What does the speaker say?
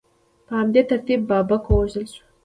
په همدې ترتیب بابک ووژل شو.